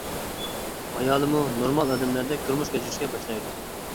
ئايالىمۇ نورمال ئادەملەردەك تۇرمۇش كەچۈرۈشكە باشلايدۇ.